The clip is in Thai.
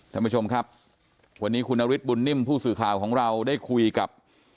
ท่านผู้ชมครับวันนี้คุณนฤทธบุญนิ่มผู้สื่อข่าวของเราได้คุยกับ